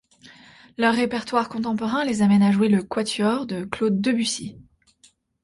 Leur répertoire contemporain les amène à jouer le quatuor de Claude Debussy.